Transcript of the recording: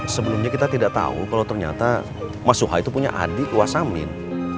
sebelumnya kita tidak tahu kalau ternyata mas suha itu punya adik wasamin